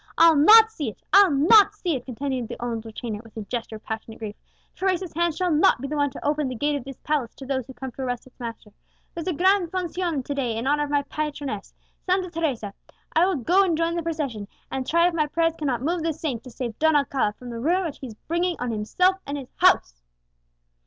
I'll not see it I'll not see it," continued the old retainer with a gesture of passionate grief; "Teresa's hand shall not be the one to open the gate of this palace to those who come to arrest its master! There's a gran foncion to day in honour of my patroness, Santa Teresa; I will go and join the procession, and try if my prayers cannot move the saint to save Don Alcala from the ruin which he is bringing on himself and his house!"